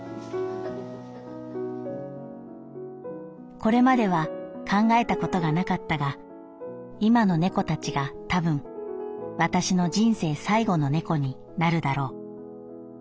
「これまでは考えたことがなかったが今の猫たちが多分私の人生最後の猫になるだろう。